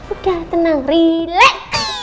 udah tenang relax